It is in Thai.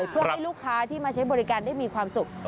เพื่อให้ลูกค้าที่มาใช้บริการได้มีความสุข